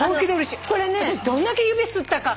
私どんだけ指すったか。